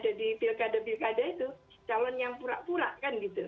calon seperti yang ada di pilkada pilkada itu calon yang pura pura kan gitu